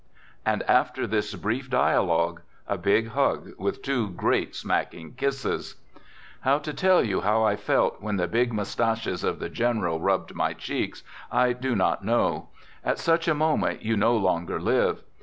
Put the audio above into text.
And after this brief dia logue, a big hug with two great smacking kisses. How to tell you how I felt when the big mus taches of the general rubbed my cheeks, I do not know ; at such a moment, you no longer live.